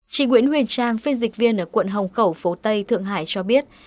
chị nguyễn huyền trang phiên dịch viên ở quận hồng khẩu phố tây thượng hải cho biết